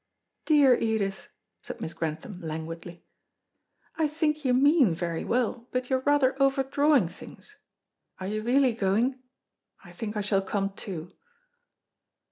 "Dear Edith," said Miss Grantham languidly, "I think you mean very well, but you are rather over drawing things. Are you really going? I think I shall come too."